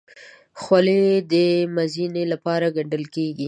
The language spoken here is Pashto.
خولۍ د مزینۍ لپاره ګنډل کېږي.